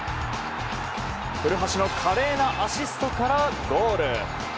古橋の華麗なアシストからゴール。